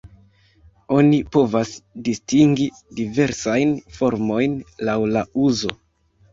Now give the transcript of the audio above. Oni povas distingi diversajn formojn laŭ la uzo.